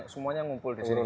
semuanya ngumpul di sini